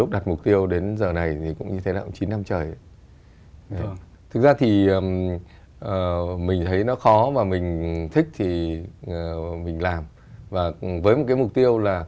đạt được cái mục tiêu